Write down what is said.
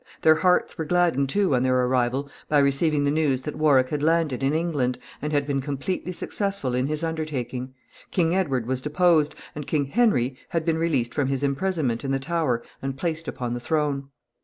Their hearts were gladdened, too, on their arrival, by receiving the news that Warwick had landed in England, and had been completely successful in his undertaking. King Edward was deposed, and King Henry had been released from his imprisonment in the Tower and placed upon the throne.